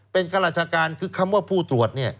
เป็นข้าราชการคือคำว่าผู้ตรวจเนี่ย